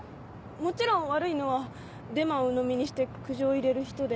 もちろん悪いのはデマをうのみにして苦情を入れる人で。